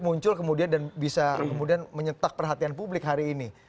muncul kemudian dan bisa kemudian menyetak perhatian publik hari ini